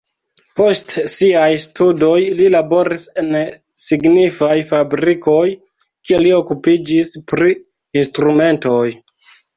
Post siaj studoj li laboris en signifaj fabrikoj, kie li okupiĝis pri instrumentoj.